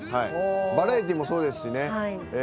バラエティもそうですしね。